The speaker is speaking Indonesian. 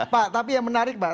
pak tapi yang menarik pak